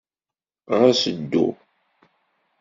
Ɣas ddu.